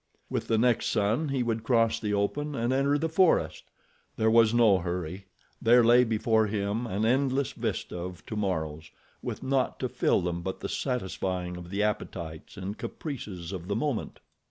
With the next sun he would cross the open and enter the forest! There was no hurry—there lay before him an endless vista of tomorrows with naught to fill them but the satisfying of the appetites and caprices of the moment.